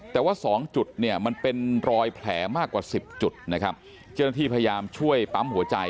แต่ว่าสองจุดเนี่ยมันเป็นรอยแผลมากกว่าสิบจุดนะครับเจ้าหน้าที่พยายามช่วยปั๊มหัวใจ